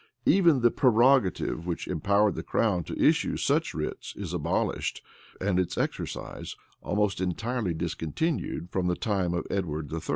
Even the prerogative which empowered the crown to issue such writs is abolished, and its exercise almost entirely discontinued from the time of Edward III.